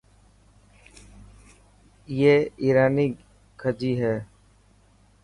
اي ايراني کجي هي.